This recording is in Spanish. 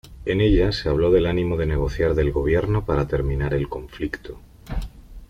En ella se habló del ánimo de negociar del gobierno para terminar el conflicto.